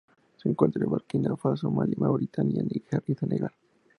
Se encuentra en Burkina Faso, Malí Mauritania, Níger y Senegal.